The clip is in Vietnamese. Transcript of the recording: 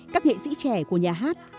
các nghệ sĩ trẻ của nhà hát